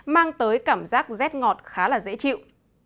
mang tới cảm giác rét ngọt khá là dễ chịu